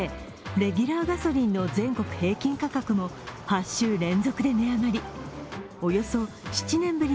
レギュラーガソリンの全国平均価格も８週連続で値上がり。